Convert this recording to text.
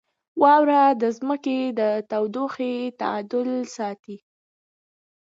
• واوره د ځمکې د تودوخې تعادل ساتي.